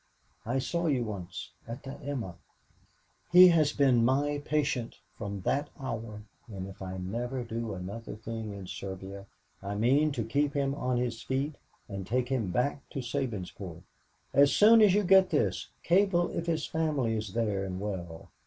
"'I saw you once, at the Emma.' "He has been my patient from that hour, and if I never do another thing in Siberia I mean to get him on his feet and take him back to Sabinsport. As soon as you get this, cable if his family is there and well.